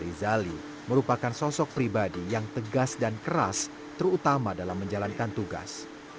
rizali merupakan sosok pribadi yang tegas dan keras terutama dalam menjalankan tugas